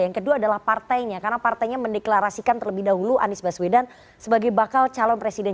yang kedua adalah partainya karena partainya mendeklarasikan terlebih dahulu anies baswedan sebagai bakal calon presiden